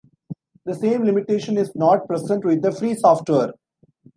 The same limitation is not present with the "free" software.